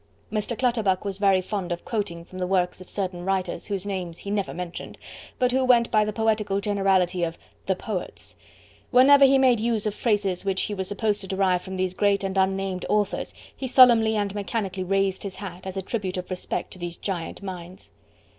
Mr. Clutterbuck was very fond of quoting from the works of certain writers whose names he never mentioned, but who went by the poetical generality of "the poets." Whenever he made use of phrases which he was supposed to derive from these great and unnamed authors, he solemnly and mechanically raised his hat, as a tribute of respect to these giant minds.